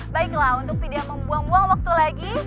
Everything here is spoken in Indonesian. baiklah untuk tidak membuang buang waktu lagi